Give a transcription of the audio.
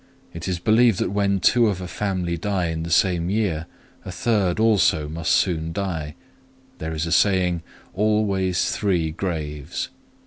It is believed that when two of a family die in the same year, a third also must soon die. There is a saying, Always three graves.